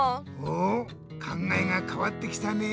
お考えがかわってきたね。